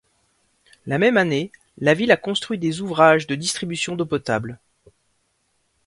La même année, la ville a construit des ouvrages de distribution d'eau potable.